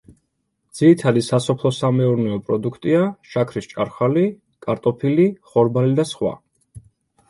ძირითადი სასოფლო-სამეურნეო პროდუქტია: შაქრის ჭარხალი, კარტოფილი, ხორბალი და სხვა.